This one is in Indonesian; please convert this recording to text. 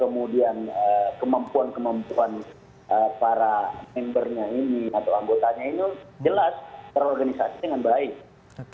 tapi mereka di internet ini pembagian tidak kemudian kemampuan kemampuan para membernya ini atau anggotanya ini jelas terorganisasi dengan baik